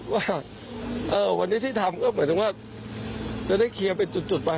ว่าวันนี้ที่ทำก็หมายถึงว่าจะได้เคลียร์เป็นจุดไป